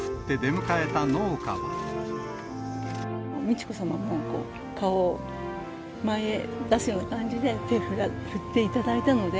美智子さまも顔を前へ出すような感じで、手、振っていただいたので。